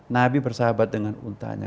nabi bersahabat dengan untanya